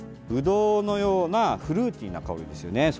ぶどうのようなフルーティーな香りですよね。